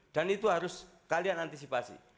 dan itu harus kalian antisipasi